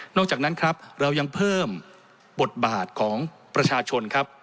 จากนั้นครับเรายังเพิ่มบทบาทของประชาชนครับ